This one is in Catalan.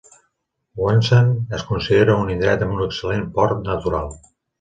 Wŏnsan es considera un indret amb un excel·lent port natural.